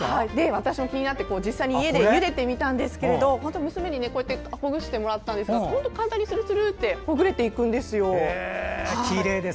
私も気になって、実際に家でゆでてみたんですけど娘にほぐしてもらったんですが簡単にするするとほぐれていくんですよ。